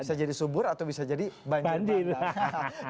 bisa jadi subur atau bisa jadi banjir bandang